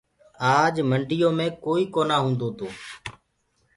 آج منڊيو مي ڪوئي بي ڪونآ هوندو تو۔